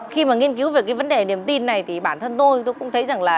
khi mà nghiên cứu về cái vấn đề niềm tin này thì bản thân tôi tôi cũng thấy rằng là